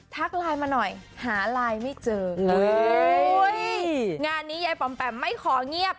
ไลน์มาหน่อยหาไลน์ไม่เจอค่ะงานนี้ยายปอมแปมไม่ขอเงียบ